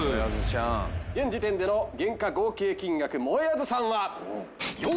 現時点での原価合計金額もえあずさんは。